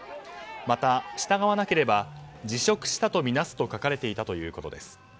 また、従わなければ辞職したとみなすと書かれていたということです。